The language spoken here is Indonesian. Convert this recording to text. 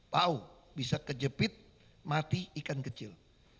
tahu bisa kejepit mati ikan kecil